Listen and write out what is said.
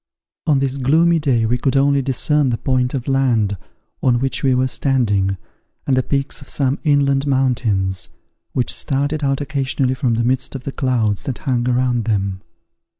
On this gloomy day we could only discern the point of land on which we were standing, and the peaks of some inland mountains, which started out occasionally from the midst of the clouds that hung around them.